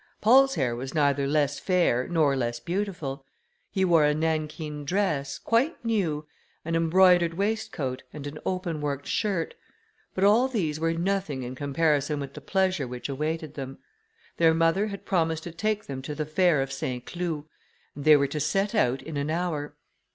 Paul's hair was neither less fair nor less beautiful; he wore a nankeen dress, quite new, an embroidered waistcoat, and an open worked shirt; but all these were nothing in comparison with the pleasure which awaited them. Their mother had promised to take them to the fair of Saint Cloud, and they were to set out in an hour.